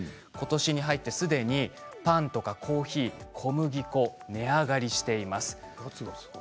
ことしに入ってすでにパンやコーヒー、小麦粉値上がりしています。